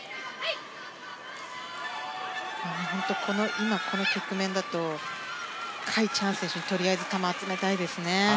今、この局面だとカ・イチハン選手にとりあえず球を集めたいですね。